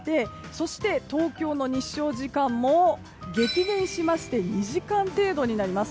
そして東京の日照時間も激減して２時間程度になります。